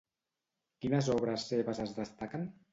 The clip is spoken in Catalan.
Quines obres seves es destaquen?